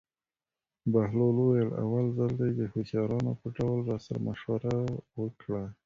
بهلول وویل: اول ځل دې د هوښیارانو په ډول راسره مشوره وکړه.